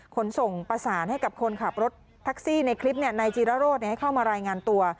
ขนส่งประสานให้กับคนขับรถแท็กซี่ในคลิปนายจีรโรธให้เข้ามารายงานตัว